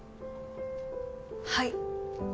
はい。